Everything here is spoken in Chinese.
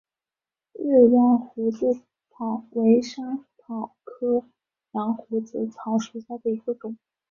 日羊胡子草为莎草科羊胡子草属下的一个种。